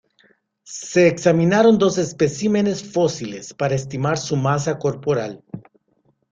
Se examinaron dos especímenes fósiles para estimar su masa corporal.